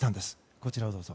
こちらをどうぞ。